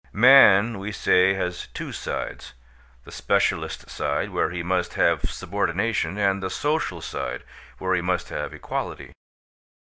Man, we say, has two sides, the specialist side where he must have subordination, and the social side where he must have equality.